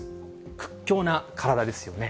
屈強な体ですよね。